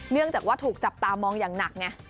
เนื่องจากว่าถูกจับตามองอย่างหนักไง